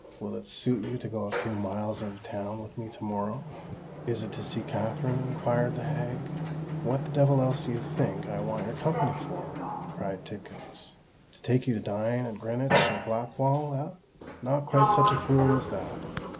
"Will it suit you to go a few miles out of town with me to morrow." "Is it to see Katherine?" inquired the hag. "What the devil else do you think I want your company for?" cried Tidkins: "to take you to dine at Greenwich or Blackwall—eh? Not quite such a fool as that!